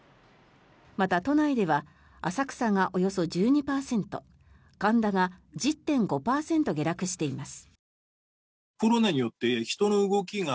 また、都内では浅草がおよそ１２％神田が１０．５％下落しています。